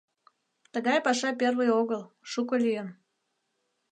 Тыгай паша первый огыл, шуко лийын.